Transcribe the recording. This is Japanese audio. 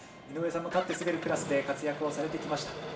井上さんも立って滑るクラスで活躍をされてきました。